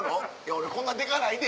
「俺こんなデカないで」。